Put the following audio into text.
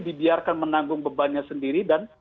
dibiarkan menanggung bebannya sendiri dan